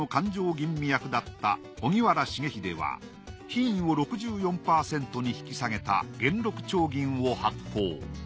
吟味役だった荻原重秀は品位を６４％に引き下げた元禄丁銀を発行。